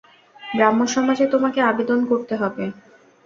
ব্রাহ্মসমাজে তোমাকে আবেদন করতে হবে।